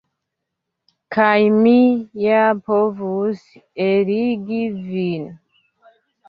Kaj mi ja povus eligi vin.